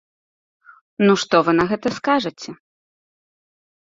Ну то што вы на гэта скажаце?